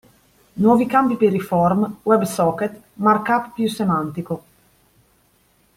Nuovi campi per i form, WebSocket, markup più semantico.